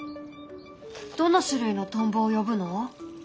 どの種類のトンボを呼ぶの？